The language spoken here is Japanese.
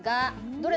どれ？